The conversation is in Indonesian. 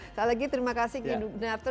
sekali lagi terima kasih ki igu narto